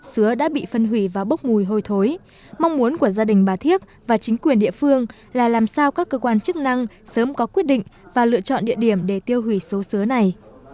sứa đã bị phân hủy và bốc mùi hôi thối mong muốn của gia đình bà thiếc và chính quyền địa phương là làm sao các cơ quan chức năng sớm có quyết định và lựa chọn địa điểm để tiêu hủy số này